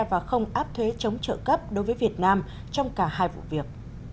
và không áp thuế chống trợ cấp đối với việt nam trong cả hai vụ việc